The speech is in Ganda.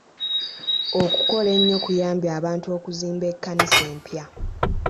Okukola ennyo kuyambye abantu okuzimba ekkanisa empya.